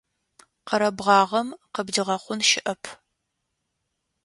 Къэрэбгъагъэм къыбдигъэхъун щыӏэп.